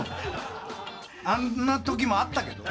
あんなときもあったけど。